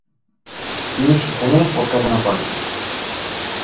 তিনি সেখানেই অধ্যাপনা করেন।